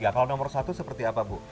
kalau nomor satu seperti apa bu